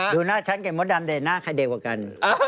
ดูหน้าฉันกับโมทดำแด็ดหน้าไขเด็กกว่ากัน